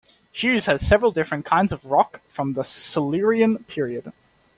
Hughes has several different kinds of rock from the Silurian period.